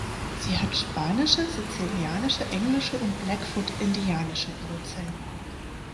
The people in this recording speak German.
Sie hat spanische, sizilianische, englische und Blackfoot-indianische Wurzeln.